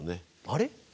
あれ？